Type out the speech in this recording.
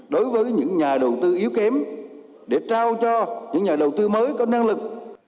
đối với những nhà đầu tư yếu kém để trao cho những nhà đầu tư mới có năng lực